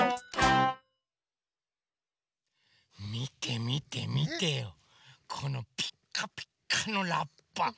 みてみてみてよこのピッカピッカのラッパ。